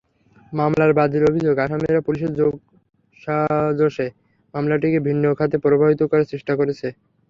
মামলার বাদীর অভিযোগ, আসামিরা পুলিশের যোগসাজশে মামলাটিকে ভিন্ন খাতে প্রবাহিত করার চেষ্টা করছে।